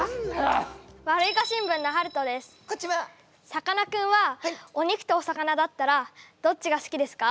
さかなクンはお肉とお魚だったらどっちが好きですか？